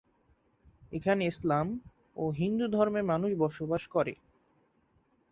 এখানে ইসলাম ও হিন্দু ধর্মের মানুষ বসবাস করে।